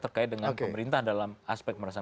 terkait dengan pemerintah dalam aspek merasa